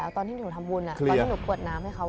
ตอนนี้ปวดน้ำให้เขา๑๙๕๔